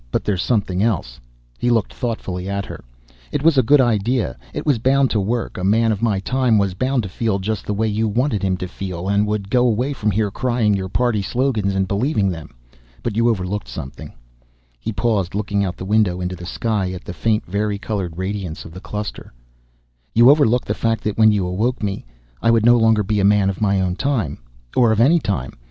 "But there's something else." He looked thoughtfully at her. "It was a good idea. It was bound to work a man of my time was bound to feel just this way you wanted him to feel, and would go away from here crying your party slogans and believing them. But you overlooked something " He paused, looking out the window into the sky, at the faint vari colored radiance of the cluster. "You overlooked the fact that when you awoke me, I would no longer be a man of my own time or of any time.